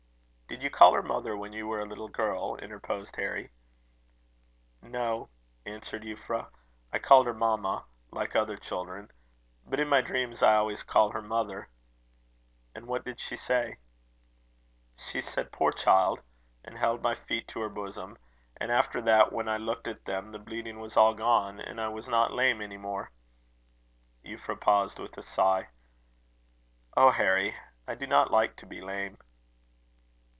'" "Did you call her mother when you were a little girl?" interposed Harry. "No," answered Euphra. "I called her mamma, like other children; but in my dreams I always call her mother." "And what did she say?" "She said 'Poor child!' and held my feet to her bosom; and after that, when I looked at them, the bleeding was all gone, and I was not lame any more." Euphra, paused with a sigh. "Oh, Harry! I do not like to be lame."